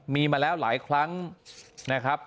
มีมาแล้วหลายครั้งนะครับ